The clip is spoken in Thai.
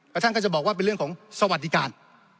แล้วท่านก็จะบอกว่าเป็นเรื่องของสวัสดิการ